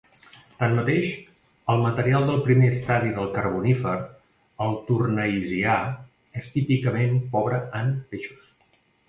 Tanmateix, el material del primer estadi del Carbonífer, el Tournaisià, és típicament pobre en peixos.